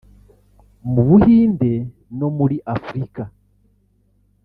mu Buhinde no muri Afurika